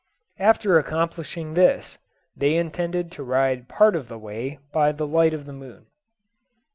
After accomplishing this, they intended to ride part of the way by the light of the moon.